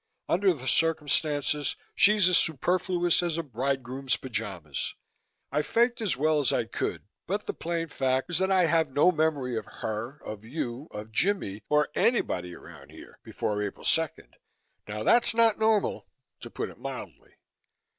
Under the circumstances, she's as superfluous as a bridegroom's pajamas. I faked as well as I could but the plain fact is that I have no memory of her, of you, of Jimmie or anybody around here before April 2nd. Now that's not normal, to put it mildly."